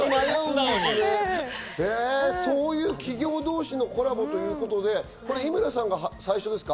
そういう企業同士のコラボということで、井村さんが最初ですか？